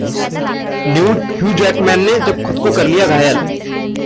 nude Hugh Jackman ने जब खुद को कर लिया घायल